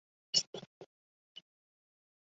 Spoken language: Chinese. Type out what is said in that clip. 婆罗门教奉行种姓制度。